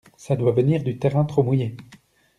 Ça doit venir du terrain, trop mouillé.